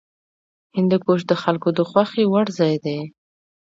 هندوکش د خلکو د خوښې وړ ځای دی.